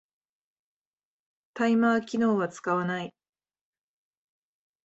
タイマー機能は使わない